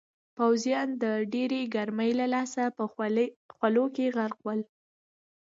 پوځیان د ډېرې ګرمۍ له لاسه په خولو کې غرق ول.